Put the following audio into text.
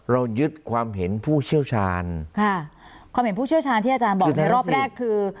เรายึดความเห็นผู้เชี่ยวชาญค่ะความเห็นผู้เชี่ยวชาญที่อาจารย์บอกในรอบแรกคือ